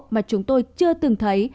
mà chúng tôi chưa từng thấy